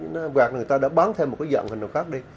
nó gạt người ta đã bán thêm một cái dọn hành động khác đi